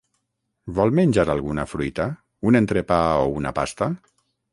Vol menjar alguna fruita, un entrepà o una pasta?